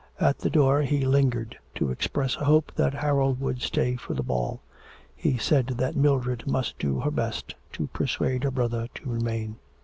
At the door he lingered to express a hope that Harold would stay for the ball. He said that Mildred must do her best to persuade her brother to remain.